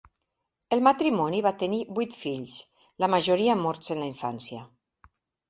El matrimoni va tenir vuit fills, la majoria morts en la infància.